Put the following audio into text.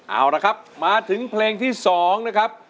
เอาละครับมาถึงเพลงที่๒นะครับ